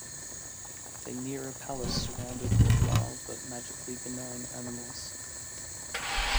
They near a palace surrounded with wild but magically benign animals.